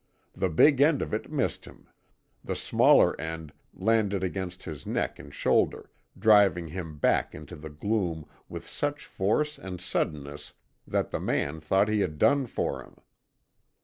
The big end of it missed him; the smaller end landed against his neck and shoulder, driving him back into the gloom with such force and suddenness that the man thought he had done for him.